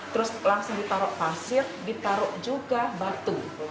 terus langsung ditaruh pasir ditaruh juga batu